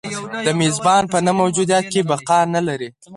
د میزبان په نه موجودیت کې بقا نه لري.